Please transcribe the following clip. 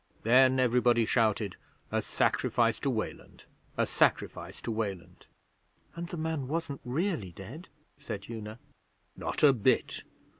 Then everybody shouted: "A sacrifice to Weland! A sacrifice to Weland!"' 'And the man wasn't really dead?' said Una. 'Not a bit.